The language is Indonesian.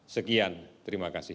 sekian terima kasih